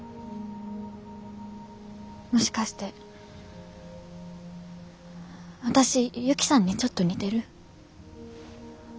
もしかして私ユキさんにちょっと似てる？